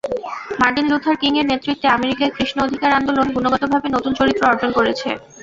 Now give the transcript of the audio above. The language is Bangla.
মার্টিন লুথার কিং-এর নেতৃত্বে আমেরিকায় কৃষ্ণ-অধিকার আন্দোলন গুণগতভাবে নতুন চরিত্র অর্জন করেছে।